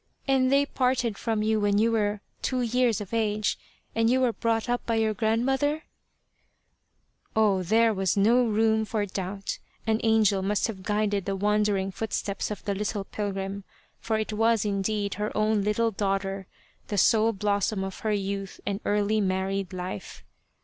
" And they parted from you when you were two years of age, and you were brought up by your grandmother ?" Oh ! there was no room for doubt. An angel must have guided the wandering footsteps of the little pilgrim, for it was indeed her own little daughter, the sole blossom of her youth and early married life.